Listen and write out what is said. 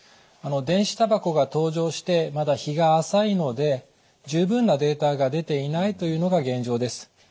電子タバコが登場してまだ日が浅いので十分なデータが出ていないというのが現状です。